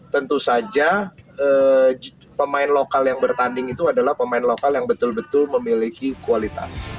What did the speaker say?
tentu saja pemain lokal yang bertanding itu adalah pemain lokal yang betul betul memiliki kualitas